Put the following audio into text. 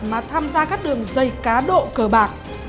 mà tham gia các đường dây cá độ cờ bạc